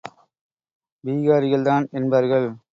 பீகாரிகள் தான் என்பார்கள்.